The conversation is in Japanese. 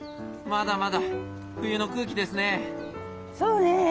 まだまだ冬の空気ですね。